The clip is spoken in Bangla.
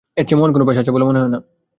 এর চেয়ে মহান কোনো পেশা আছে বলে মনে হয় না।